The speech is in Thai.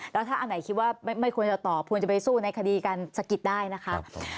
แล้วถ้าอันไหนคิดว่าไม่ควรจะตอบควรจะไปสู้ในคดีการสะกิดได้นะคะ